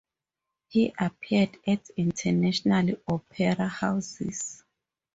He appeared at international opera houses.